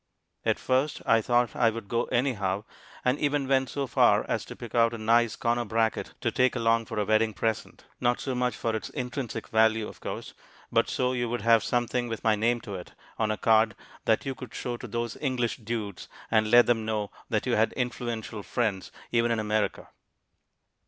At first I thought I would go anyhow, and even went so far as to pick out a nice corner bracket to take along for a wedding present. Not so much for its intrinsic value, of course, but so you would have something with my name to it on a card that you could show to those English dudes, and let them know that you had influential friends, even in America.